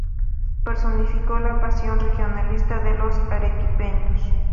Personificó la pasión regionalista de los arequipeños.